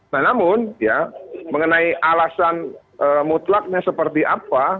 nah namun ya mengenai alasan mutlaknya seperti apa